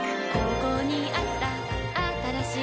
ここにあったあったらしい